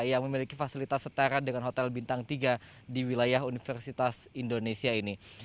yang memiliki fasilitas setara dengan hotel bintang tiga di wilayah universitas indonesia ini